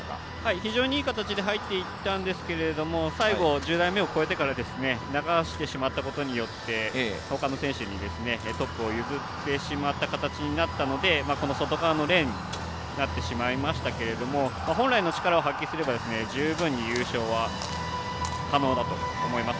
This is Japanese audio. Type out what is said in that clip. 非常にいい形で入っていったんですが最後流してしまったことによってほかの選手にトップを譲ってしまった形になったのでこの外側のレーンになってしまいましたが本来の力を発揮すれば十分に優勝は可能だと思います。